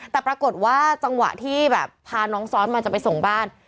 แต่ปรากฏว่าจังหวะที่แบบพาน้องซ้อนมาจะไปส่งบ้าน